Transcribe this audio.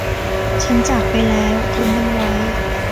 ฉันจากไปแล้วทิ้งมันไว้